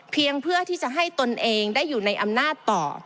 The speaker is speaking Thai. เพื่อที่จะให้ตนเองได้อยู่ในอำนาจต่อ